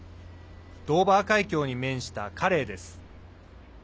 ドーバー海峡に面したカレーです。